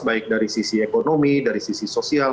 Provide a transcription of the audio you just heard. baik dari sisi ekonomi dari sisi sosial